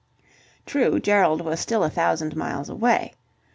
True, Gerald was still a thousand miles away.